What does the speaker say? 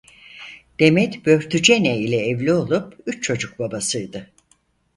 Demet Börtücene ile evli olup üç çocuk babasıydı.